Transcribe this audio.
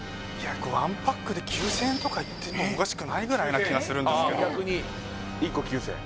１パックで９０００円とかいっててもおかしくないぐらいな気がするんですけど・１個９０００円？